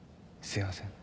すいません。